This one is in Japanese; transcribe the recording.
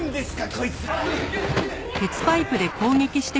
こいつら！